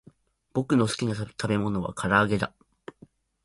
ぼくのすきなたべものはからあげだ